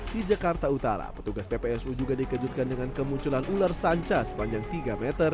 di jakarta utara petugas ppsu juga dikejutkan dengan kemunculan ular sanca sepanjang tiga meter